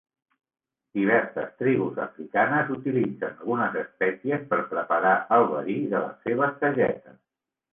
Diverses tribus africanes utilitzen algunes espècies per preparar el verí de les seves sagetes.